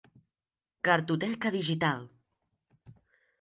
Cartoteca digital.